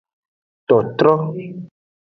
Totro.